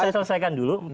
saya selesaikan dulu